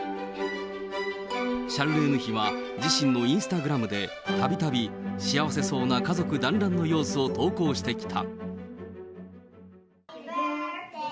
シャルレーヌ妃は自身のインスタグラムで、たびたび幸せそうな家族団らんの様子を投稿してきた。